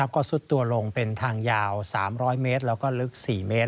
ก็ซุดตัวลงเป็นทางยาว๓๐๐เมตรแล้วก็ลึก๔เมตร